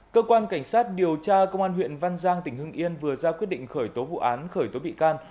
cơ quan cảnh sát điều tra công an huyện văn giang tỉnh hưng yên vừa ra quyết định khởi tố vụ án khởi tố bị can